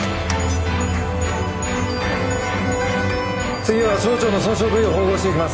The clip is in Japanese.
次は小腸の損傷部位を縫合していきます。